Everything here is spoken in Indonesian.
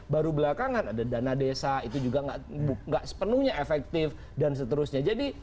baru belakangan ada dana desa itu juga nggak sepenuhnya efektif dan seterusnya